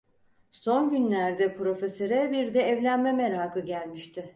Son günlerde Profesör’e bir de evlenme merakı gelmişti.